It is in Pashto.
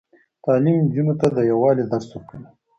تعلیم نجونو ته د یووالي درس ورکوي.